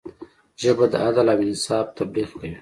ژبه د عدل او انصاف تبلیغ کوي